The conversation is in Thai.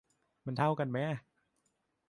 มันเท่ากันมั้ยอะ